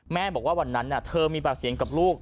บอกว่าวันนั้นเธอมีปากเสียงกับลูก